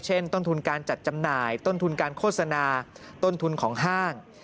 ต้นทุนการจัดจำหน่ายต้นทุนการโฆษณาต้นทุนของห้าง